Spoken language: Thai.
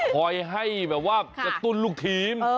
คอยให้แบบว่ากระตุ้นลูกทีม